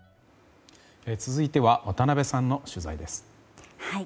続いては渡辺さんの取材です。